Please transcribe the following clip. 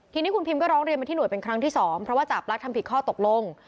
ทีนี้คุณพิมก็ร้องเรียนมาที่ห่วยเป็นครั้งที่๒เพราะว่าจาบลักษณ์ทำผิดข้อตกลง